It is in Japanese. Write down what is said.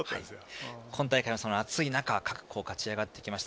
今大会、暑い中で各校勝ち上がってきました。